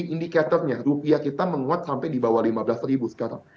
indikatornya rupiah kita menguat sampai di bawah lima belas ribu sekarang